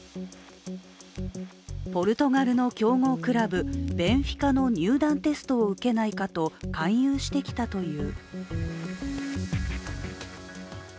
ポルトガルの強豪クラブ・ベンフィカの入団テストを受けないかと勧誘してきたという。